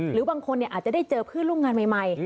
หรือบางคนอาจจะได้เจอผู้ลูกงานใหม่